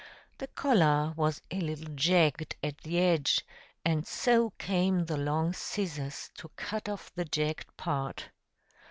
The collar was a little jagged at the edge, and so came the long scissors to cut off the jagged part.